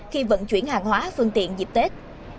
khi vận chuyển hàng hóa phương tiện dịp tết